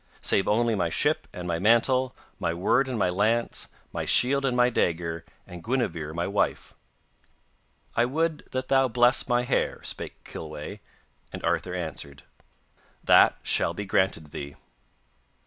Save only my ship and my mantle, my word and my lance, my shield and my dagger, and Guinevere my wife.' 'I would that thou bless my hair,' spake Kilweh, and Arthur answered: 'That shall be granted thee.